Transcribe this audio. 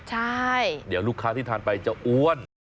ใช่เดี๋ยวลูกค้าที่ทานไปจะอ้วน